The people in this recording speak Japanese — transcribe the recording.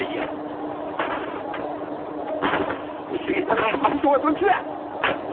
薄汚い悪党はどっちだ！？